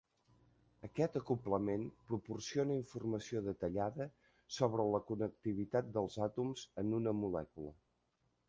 Aquest acoblament proporciona informació detallada sobre la connectivitat dels àtoms en una molècula.